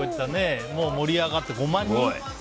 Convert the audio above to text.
盛り上がって、５万人？